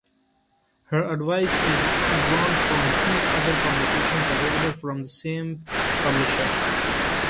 Her advice is drawn from two other publications available from the same publisher.